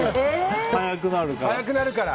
速くなるから。